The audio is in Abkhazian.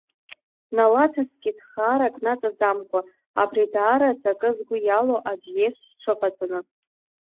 Налаҭаскит, хаарак наҵамҵаӡакәа, абри даараӡа акы згәы иалоу аӡәы иеиԥш сҽыҟаҵаны.